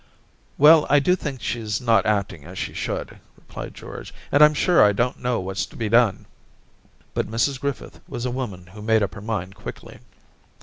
' Well, I do think she's not acting as she should,' replied George. *And I'm sure I don't know what's to be done.' But Mrs Griffith was a woman who made up her mind quickly.